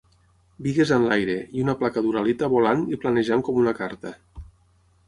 Bigues enlaire, i una placa d'uralita volant i planejant com una carta